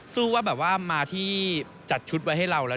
ว่าแบบว่ามาที่จัดชุดไว้ให้เราแล้ว